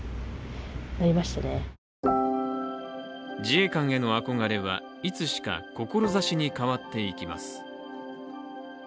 自衛官への憧れはいつしか志に変わっていきます。